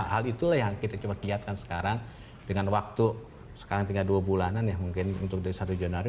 hal itulah yang kita coba giatkan sekarang dengan waktu sekarang tinggal dua bulanan ya mungkin untuk dari satu januari